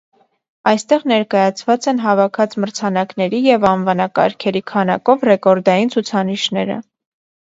Այստեղ ներկայացված են հավաքած մրցանակների և անվանակարգերի քանակով ռեկորդային ցուցանիշները։